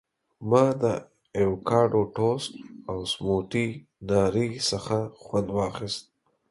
ما د ایوکاډو ټوسټ او سموټي ناري څخه خوند واخیست.